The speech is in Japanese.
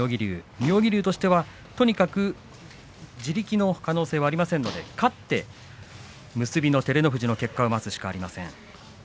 妙義龍としては、とにかく自力の可能性はありませんので勝って結びの照ノ富士の結果を待つしかありません。